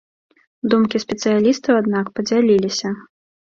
Думкі спецыялістаў, аднак, падзяліліся.